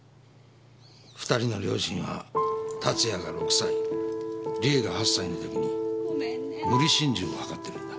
２人の両親は龍哉が６歳理恵が８歳の時に無理心中を図ってるんだ。